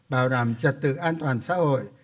bảo đảm trật tự an toàn xã hội